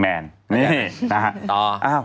แมนนี่นะครับ